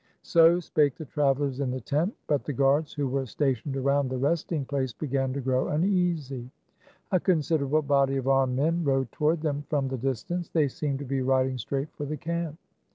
So spake the travelers in the tent ; but the guards, who were stationed around the resting place, began to grow uneasy. A considerable body of armed men rode toward them from the distance. They seemed to be riding straight for the camp.